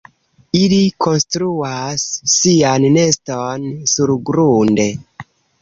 Ili konstruas sian neston surgrunde.